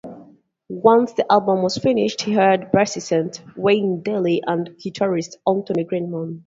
Once the album was finished, he hired bassist Wayne Darley and guitarist Anthony Greenham.